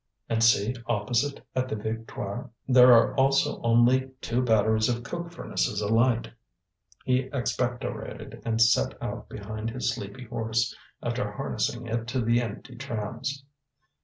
And see opposite, at the Victoire, there are also only two batteries of coke furnaces alight." He expectorated, and set out behind his sleepy horse, after harnessing it to the empty trams.